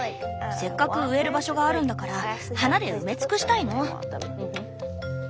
せっかく植える場所があるんだから花で埋め尽くしたいの。